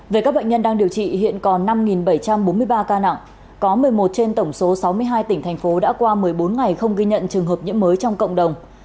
về các bệnh nhân đang điều trị hiện còn năm bảy trăm bốn mươi ba ca nặng có một mươi một trên tổng số sáu mươi hai tỉnh thành phố đã qua một mươi bốn ngày không ghi nhận trường hợp nhiễm mới trong cộng đồng